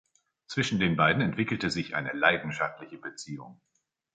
Zwischen den beiden entwickelt sich eine leidenschaftliche Beziehung.